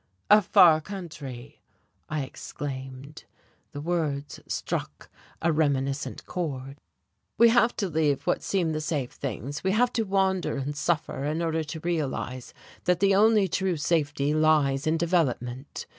"A far country!" I exclaimed. The words struck a reminiscent chord. "We have to leave what seem the safe things, we have to wander and suffer in order to realize that the only true safety lies in development.